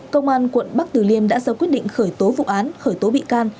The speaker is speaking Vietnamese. công an quận bắc tử liêm đã sau quyết định khởi tố vụ án khởi tố bị can